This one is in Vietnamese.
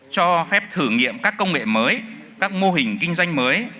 cho phép thử nghiệm các công nghệ mới các mô hình kinh doanh mới